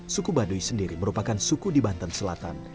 suku baduy sendiri merupakan suku di banten selatan